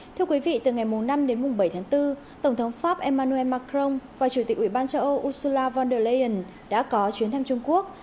thưa quý vị từ ngày năm đến bảy tháng bốn tổng thống pháp emmanuel macron và chủ tịch ủy ban châu âu ursula von der leyen đã có chuyến thăm trung quốc